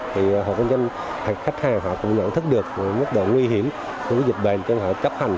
thì hộ kinh doanh khách hàng họ cũng nhận thức được mức độ nguy hiểm của dịch bệnh cho họ chấp hành